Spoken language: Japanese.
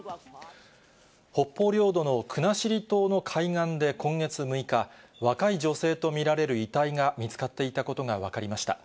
北方領土の国後島の海岸で今月６日、若い女性と見られる遺体が見つかっていたことが分かりました。